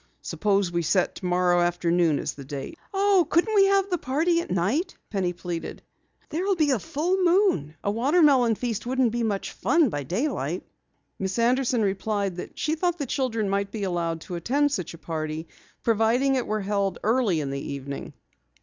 "Suppose we set tomorrow afternoon as the date." "Oh, can't we have the party at night?" Penny pleaded. "There will be a full moon. A watermelon feast wouldn't be much fun by daylight." Miss Anderson replied that she thought the children might be allowed to attend such a party, providing it were held early in the evening.